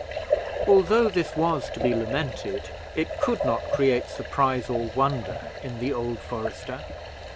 Although this was to be lamented, it could not create surprise or wonder in the old forester.